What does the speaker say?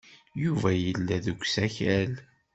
Yuba yella deg usakal.